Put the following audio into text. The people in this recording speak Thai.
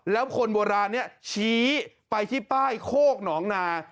แล้วคนโบราณนี้ชี้ไปที่ป้ายโคกหนองนา